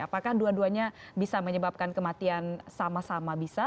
apakah dua duanya bisa menyebabkan kematian sama sama bisa